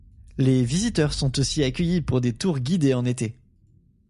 Les visiteurs sont aussi accueillis pour des tours guidés en été.